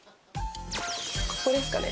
ここですかね